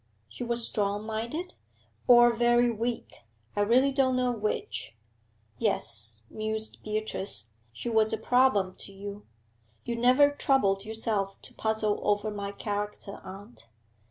'She was strong minded?' 'Or very weak, I really don't know which.' 'Yes,' mused Beatrice, 'she was a problem to you. You never troubled yourself to puzzle over my character, aunt.'